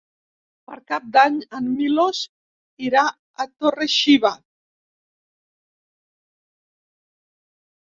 Per Cap d'Any en Milos irà a Torre-xiva.